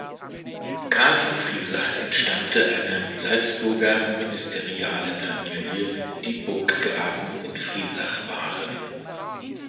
Karl von Friesach entstammte einer Salzburger Ministerialenfamilie, die Burggrafen in Friesach waren.